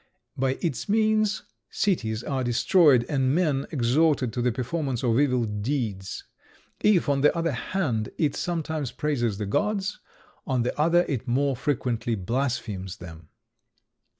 By its means cities are destroyed, and men exhorted to the performance of evil deeds. If, on the one hand, it sometimes praises the gods, on the other it more frequently blasphemes them."